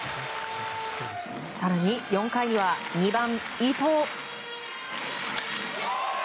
更に４回には２番、伊藤。